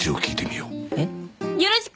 よろしく！